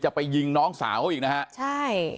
ไปยิงน้องสาวเขาอีกนะฮะใช่